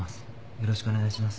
よろしくお願いします。